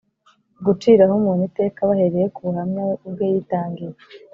guciraho umuntu iteka bahereye ku buhamya we ubwe yitangiye